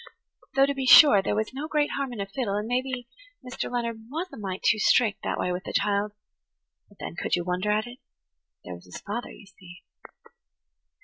Though, to be sure, there was no great harm in a fiddle, and maybe [Page 82] Mr. Leonard was a mite too strict that way with the child. But then, could you wonder at it? There was his father, you see.